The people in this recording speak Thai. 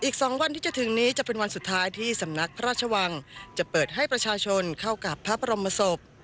อีก๒วันที่จะถึงนี้จะเป็นวันสุดท้ายที่สำนักพระราชวังจะเปิดให้ประชาชนเข้ากับพระบรมศพ